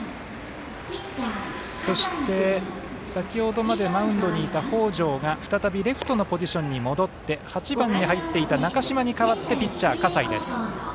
そして、先ほどまでマウンドにいた北條が再びレフトのポジションに戻って８番に入っていた中嶋に代わってピッチャー、葛西です。